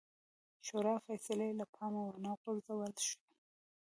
شورا فیصلې له پامه ونه غورځول شي.